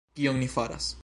Kion ni faras?